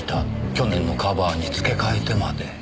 去年のカバーにつけ替えてまで。